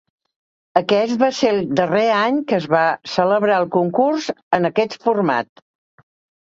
Aquest va ser el darrer any que es va celebrar el concurs en aquest format.